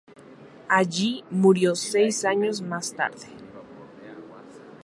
Allí murió seis años más tarde.